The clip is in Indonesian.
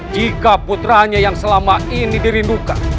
jika putranya yang selama ini dirindukan